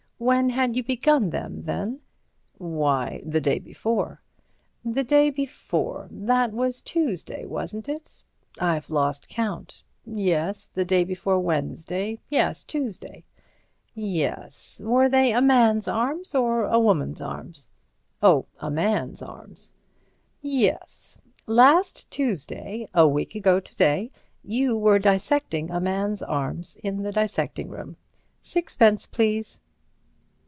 When had you begun them, then?" "Why, the day before." "The day before. That was Tuesday, wasn't it?" "I've lost count—yes, the day before Wednesday—yes, Tuesday." "Yes. Were they a man's arms or a woman's arms?" "Oh, a man's arms." "Yes; last Tuesday, a week ago to day, you were dissecting a man's arms in the dissecting room. Sixpence, please."